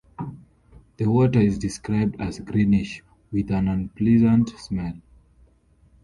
The water is described as greenish with an unpleasant smell.